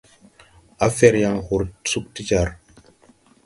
Á fɛr yaŋ hor sug ti jar.